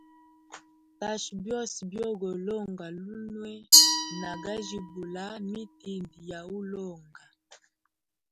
Tasha byose byo go longa lunwe, na gajibula mitindi ya ulonga.